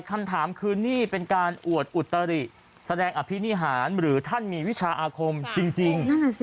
คำถามคือนี่เป็นการอวดอุตริแสดงอภินิหารหรือท่านมีวิชาอาคมจริง